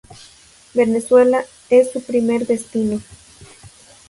Venezuela es su primer destino.